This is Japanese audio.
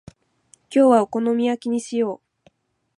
今日はお好み焼きにしよう。